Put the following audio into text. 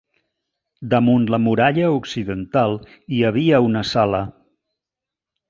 Damunt la muralla occidental hi havia una sala.